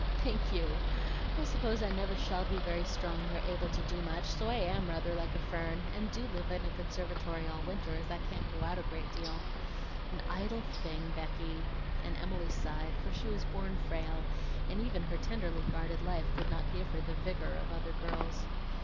"Thank you! I suppose I shall never be very strong or able to do much; so I AM rather like a fern, and do live in a conservatory all winter, as I can't go out a great deal. An idle thing, Becky!" and Emily sighed, for she was born frail, and even her tenderly guarded life could not give her the vigor of other girls.